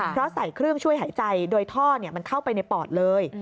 เพราะใส่เครื่องช่วยหายใจโดยท่อมันเข้าไปในปอดเลย